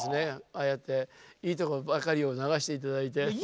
ああやっていいとこばかりを流して頂いて。